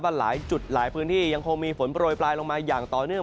หลายจุดหลายพื้นที่ยังคงมีฝนโปรยปลายลงมาอย่างต่อเนื่อง